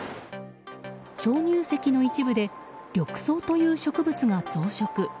鍾乳石の一部で緑藻という植物が増殖。